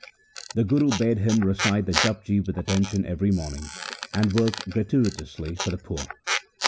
The Guru bade him recite the Japji with attention every morning, and work gra tuitously for the poor.